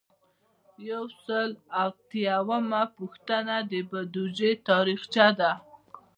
یو سل او اتیایمه پوښتنه د بودیجې تاریخچه ده.